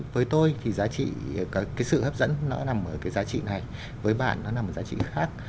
với tôi thì sự hấp dẫn nó nằm ở cái giá trị này với bạn nó nằm ở giá trị khác